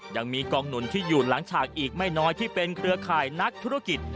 ยังมีกองหนุนที่อยู่หลังฉากอีกไม่น้อยที่เป็นเครือข่ายนักธุรกิจ